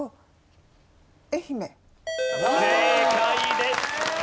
正解です。